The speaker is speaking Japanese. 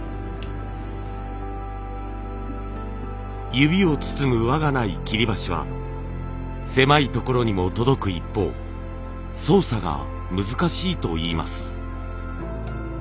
指を包む輪がない切箸は狭い所にも届く一方操作が難しいといいます。